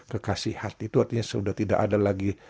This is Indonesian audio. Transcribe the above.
kekasih hati itu artinya sudah tidak ada lagi